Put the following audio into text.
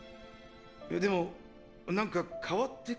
でもなんか変わってきてる気も。